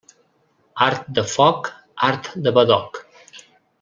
Art de foc, art de badoc.